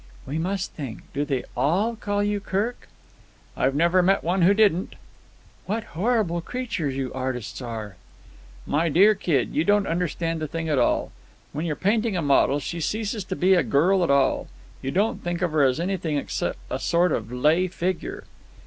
"We must think. Do they all call you Kirk?" "I've never met one who didn't." "What horrible creatures you artists are!" "My dear kid, you don't understand the thing at all. When you're painting a model she ceases to be a girl at all. You don't think of her as anything except a sort of lay figure."